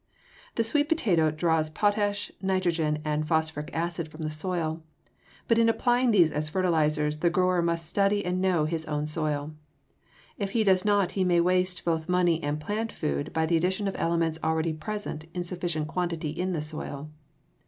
The sweet potato draws potash, nitrogen, and phosphoric acid from the soil, but in applying these as fertilizers the grower must study and know his own soil. If he does not he may waste both money and plant food by the addition of elements already present in sufficient quantity in the soil.